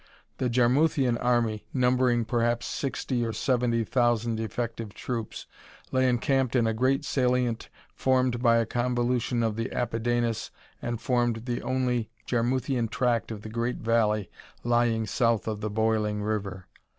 The Jarmuthian army, numbering perhaps sixty or seventy thousand effective troops, lay encamped in a great salient formed by a convolution of the Apidanus and formed the only Jarmuthian tract of the great valley lying south of the boiling river.